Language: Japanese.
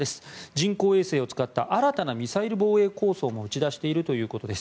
人工衛星を使った新たなミサイル防衛構想も打ち出しているということです。